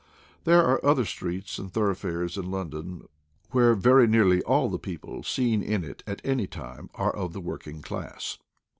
There are other streets and thoroughfares in London where very nearly all the people seen in it at any time are of the working class.